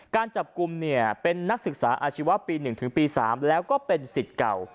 การจับกลุ่มเนี่ยเป็นนักศึกษาอาชีวะปี๑ถึงปี๓แล้วก็เป็นสิทธิ์เก่า